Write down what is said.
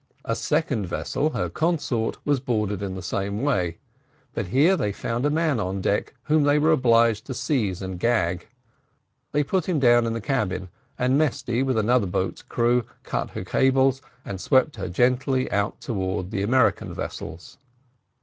A second vessel, her consort, was boarded in the same way, but here they found a man on deck, whom they were obliged to seize and gag. They put him down in the cabin, and Mesty, with another boat's crew, cut her cables and swept her gently out towards the American vessels.